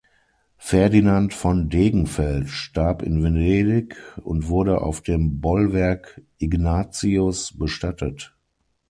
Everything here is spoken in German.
Ferdinand von Degenfeld starb in Venedig und wurde auf dem Bollwerk Ignatius bestattet.